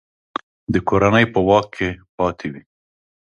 د کورنۍ په واک کې پاته وي.